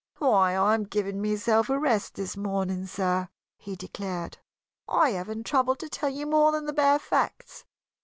"Why, I'm giving myself a rest this morning, sir!" he declared. "I haven't troubled to tell you more than the bare facts.